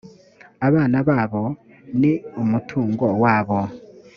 abana babo ni umutungo wabo